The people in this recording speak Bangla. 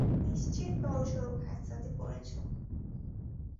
নিশ্চিত বড়োসড়ো ফ্যাসাদে পড়েছো।